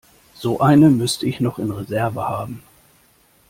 So eine müsste ich noch in Reserve haben.